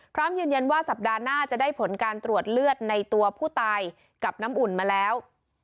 พร้อมยืนยันว่าสัปดาห์หน้าจะได้ผลการตรวจเลือดในตัวผู้ตายกับน้ำอุ่นมาแล้ว